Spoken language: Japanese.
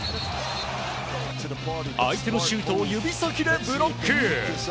相手のシュートを指先でブロック。